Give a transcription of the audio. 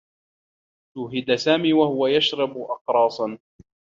شوهِد سامي و هو يشرب أقراصا.